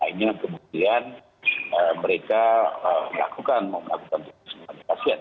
nah ini kemudian mereka melakukan melakukan untuk semua pasien